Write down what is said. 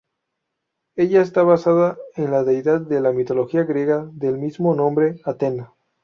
Ella está basada en la deidad de la Mitología griega del mismo nombre Atenea.